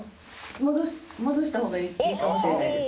戻した方がいいかもしれないです。